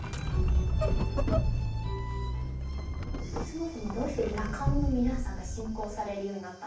そもそもどうして羅漢の皆さんが信仰されるようになったんですか？